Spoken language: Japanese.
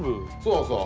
そうそう。